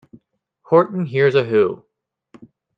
Horton Hears a Who!